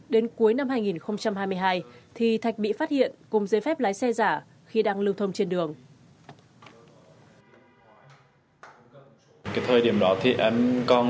đến cuối năm hai nghìn hai mươi hai thì thạch bị phát hiện cùng giấy phép lái xe giả khi đang lưu thông trên đường